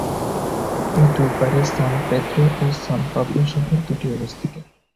এর দুই পারে সান পেদ্রো ও সান পাবলো শহর দুটি অবস্থিত।